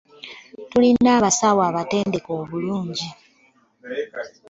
Tulina abasawo abatendeke bangi.